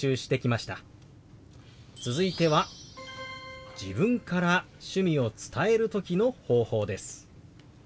続いては自分から趣味を伝える時の方法です。